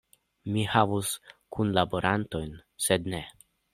Mi havus kunlaborantojn, sed ne.